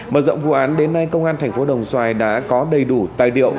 mở rộng vụ án đến nay công an thành phố đồng xoài đã có đầy đủ tài liệu